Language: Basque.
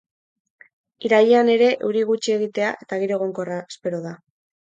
Irailean ere euri gutxi egitea eta giro egonkorra espero da.